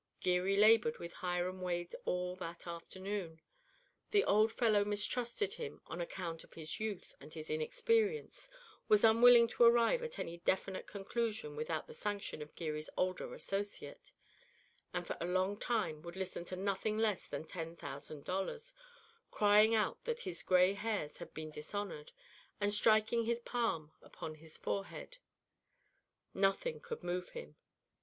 Geary laboured with Hiram Wade all that afternoon. The old fellow mistrusted him on account of his youth and his inexperience, was unwilling to arrive at any definite conclusion without the sanction of Geary's older associate, and for a long time would listen to nothing less than ten thousand dollars, crying out that his gray hairs had been dishonoured, and striking his palm upon his forehead. Nothing could move him.